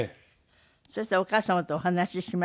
そしたらお母様とお話ししました？